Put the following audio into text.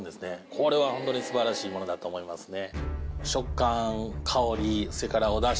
これはホントに素晴らしいものだと思いますね